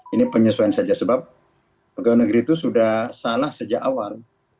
ini penyesuaian saja sebab pegawai negeri itu sudah salah sejak awal